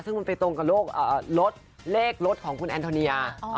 ซึ่งมันไปตรงกับเลขรถเลขรถของคุณแอนโทเนีย